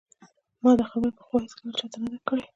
ما دا خبره پخوا هیڅکله چا ته نه ده کړې